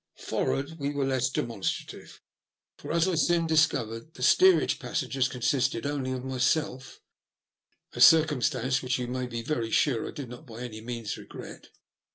Forrard we were less demonstrative, for, as I soon discovered, the steerage passengers consisted only of myself, a circumstance which you may be very sure I did not by any means regret.